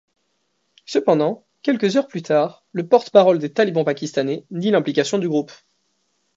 Cependant, quelques heures plus tard, le porte-parole des talibans pakistanais nie l'implication du groupe.